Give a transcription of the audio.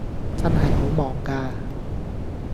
真係好忙架